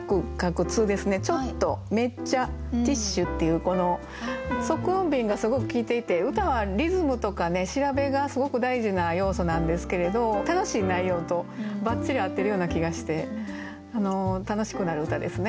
「めっちゃ」「ティッシュ」っていうこの促音便がすごく効いていて歌はリズムとかね調べがすごく大事な要素なんですけれど楽しい内容とバッチリ合ってるような気がして楽しくなる歌ですね。